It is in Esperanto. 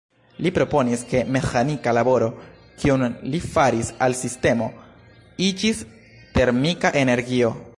Li proponis ke meĥanika laboro, kiun li faris al sistemo, iĝis "termika energio".